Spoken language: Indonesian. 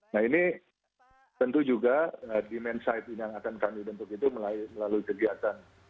nah ini tentu juga demand side yang akan kami bentuk itu melalui kegiatan